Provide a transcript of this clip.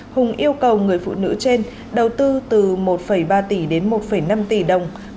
hùng yêu cầu người phụ nữ trên đầu tư từ một ba tỷ đến một năm tỷ đồng